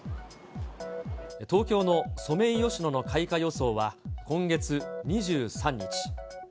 東京のソメイヨシノの開花予想は今月２３日。